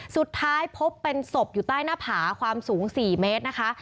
สุดท้ายพบเป็นศพอยู่ใต้หน้าผาความสูง๔เมตรนะคะ